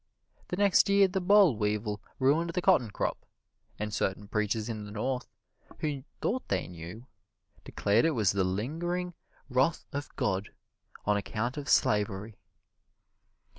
The next year the boll weevil ruined the cotton crop, and certain preachers in the North, who thought they knew, declared it was the lingering wrath of God on account of slavery.